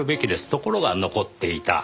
ところが残っていた。